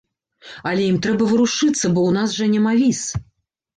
Але ім трэба варушыцца, бо ў нас жа няма віз.